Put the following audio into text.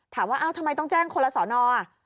ถามว่าทำไมต้องแจ้งคนละศรอ่ะ